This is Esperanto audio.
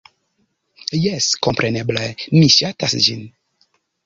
Jes, kompreneble, mi ŝatas ĝin!